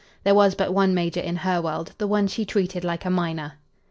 There was but one major in her world, the one she treated like a minor.